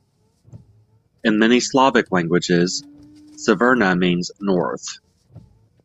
In many Slavic languages, Severna means "north".